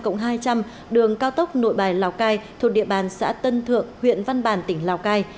nội bài lào cai thuộc địa bàn xã tân thượng huyện văn bàn tỉnh lào cai